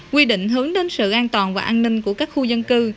quy định hướng đến sự an toàn và an ninh của các khu dân cư